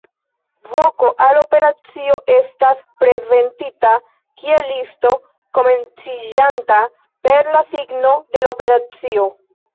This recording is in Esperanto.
Voko al operacio estas prezentita kiel listo, komenciĝanta per la signo de la operacio.